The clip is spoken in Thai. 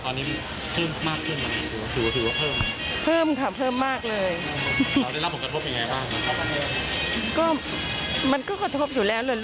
วอธิบายและแรกเป็นอ่อนการซื้อ